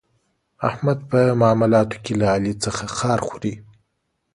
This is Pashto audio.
احمد په معاملاتو کې له علي څخه خار خوري.